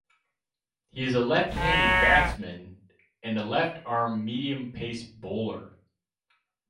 He is a left-handed batsman and a left-arm medium-pace bowler.